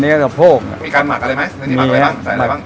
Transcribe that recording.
เนื้อกระโพกมีการหมักอะไรไหมใส่อะไรบ้าง